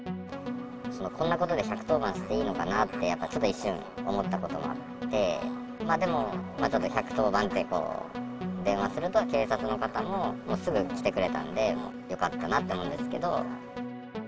こんなことで１１０番していいのかなって、ちょっと一瞬、思ったこともあって、でも、１１０番って電話すると、警察の方もすぐ来てくれたんで、よかったなって思うんですけど。